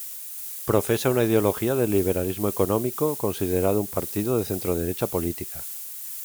Profesa una ideología de liberalismo económico, considerado un partido de centroderecha política.